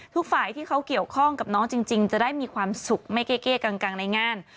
ทุกฝ่ายที่เขาเกี่ยวข้องกับน้องจริงจะได้มีความสุขไม่เก้เก้กังในงาน